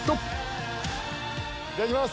いただきます！